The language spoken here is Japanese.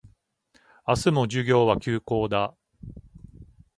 明日も授業は休講だ